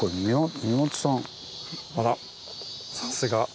あらさすが。